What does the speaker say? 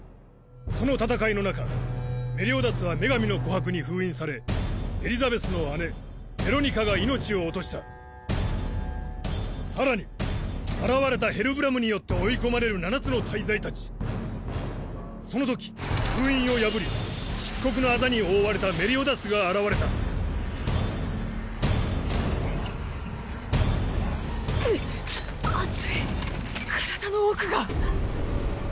その戦いのなかメリオダスは「女神の琥魄」に封印されエリザベスの姉ベロニカが命を落とした更に現れたヘルブラムによって追い込まれる七つの大罪たちそのとき封印を破り漆黒の痣に覆われたメリオダスが現れたうっ熱い体の奥が。